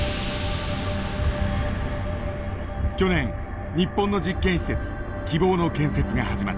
去年日本の実験施設きぼうの建設が始まった。